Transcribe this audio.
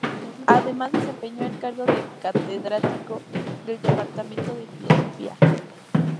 Además desempeñó el cargo de catedrático del Departamento de Filosofía.